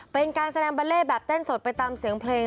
เป็นการแสดงบัลเล่แบบเต้นสดไปตามเสียงเพลง